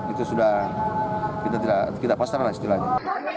itu sudah kita pasaran lah istilahnya